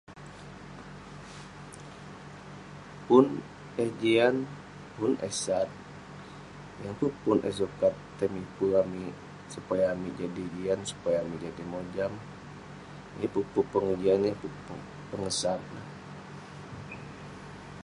Pun eh jian, pun eh sat. Yeng peh pun eh sukat tai miper amik supaya amik jadi jian, supaya amik jadi mojam. Yeng peh pun pengejian, yeng peh pun pengesat neh.